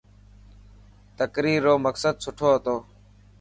تقرير رو مقصد سٺو هتو.